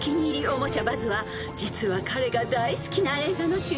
おもちゃバズは実は彼が大好きな映画の主人公］